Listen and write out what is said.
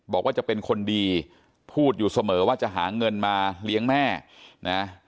บอกว่าจะเป็นคนดีพูดอยู่เสมอว่าจะหาเงินมาเลี้ยงแม่นะ